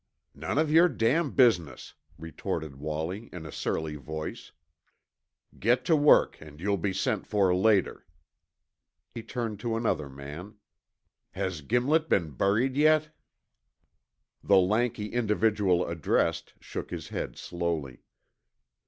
"None of your damn business," retorted Wallie in a surly voice. "Get to work an' you'll be sent for later." He turned to another man. "Has Gimlet been buried yet?" The lanky individual addressed shook his head slowly.